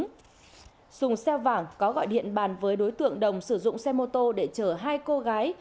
cư xeo trúng dùng xeo vàng có gọi điện bàn với đối tượng đồng sử dụng xe mô tô để chở hai cô gái